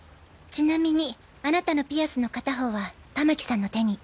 ちなみにあなたのピアスの片方はたまきさんの手に。